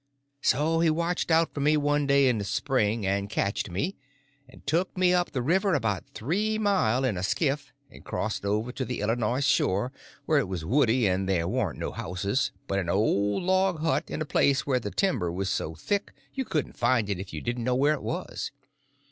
So he watched out for me one day in the spring, and catched me, and took me up the river about three mile in a skiff, and crossed over to the Illinois shore where it was woody and there warn't no houses but an old log hut in a place where the timber was so thick you couldn't find it if you didn't know where it was.